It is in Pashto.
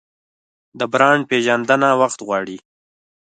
د برانډ پیژندنه وخت غواړي.